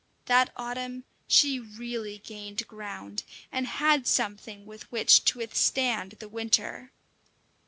That autumn she really gained ground, and had something with which to withstand the winter.